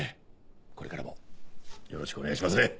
これからもよろしくお願いしますね！